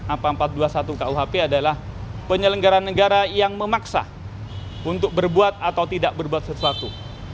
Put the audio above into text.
apa empat ratus dua puluh satu kuhp adalah penyelenggara negara yang memaksa untuk berbuat atau tidak berbuat sesuatu